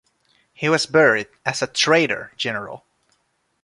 He was buried as a "traitor" general.